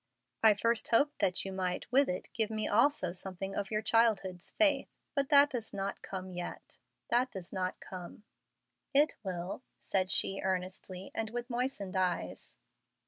I first hoped that you might with it give me also something of your childhood's faith. But that does not come yet. That does not come." "It will," said she, earnestly, and with moistened eyes.